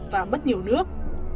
và mất nhiều nước